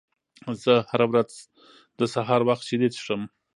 زه هره ورځ د سهار وخت شیدې څښم.